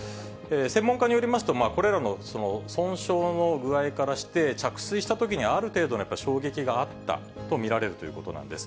専門家によりますと、これらの損傷の具合からして、着水したときにある程度の衝撃があったと見られるということなんです。